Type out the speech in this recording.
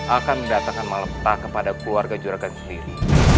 akan mendatangkan malam peta kepada keluarga juragan sendiri